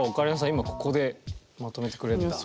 今ここでまとめてくれるんだ。